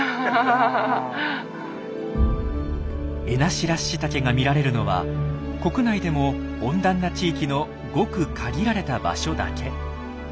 エナシラッシタケが見られるのは国内でも温暖な地域のごく限られた場所だけ。